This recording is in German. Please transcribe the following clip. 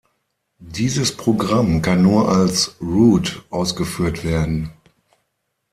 Dieses Programm kann nur als root ausgeführt werden.